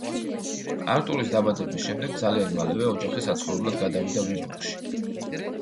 არტურის დაბადების შემდეგ ძალიან მალევე ოჯახი საცხოვრებლად გადავიდა ვიბორგში.